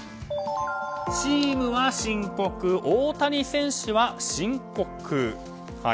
チームは深刻、大谷選手は申告。